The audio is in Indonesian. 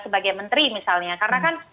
sebagai menteri misalnya karena kan